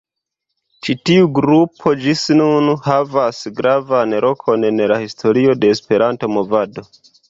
Ĉi tiu grupo ĝis nun havas gravan lokon en la historio de Esperanto-movado.